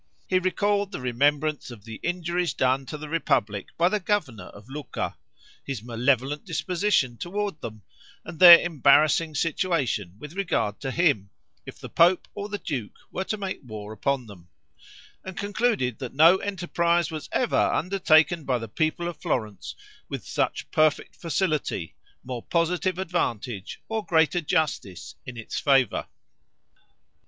He recalled the remembrance of the injuries done to the republic by the governor of Lucca; his malevolent disposition toward them; and their embarrassing situation with regard to him, if the pope or the duke were to make war upon them; and concluded that no enterprise was ever undertaken by the people of Florence with such perfect facility, more positive advantage, or greater justice in its favor.